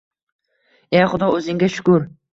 E Xudo! Oʻzingga shukur!